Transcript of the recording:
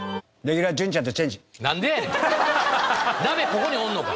ここにおんのか？